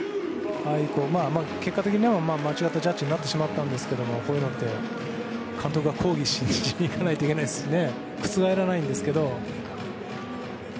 結果的に間違ったジャッジになってしまったんですけどこういうのって監督は抗議しにいかないといけないですね。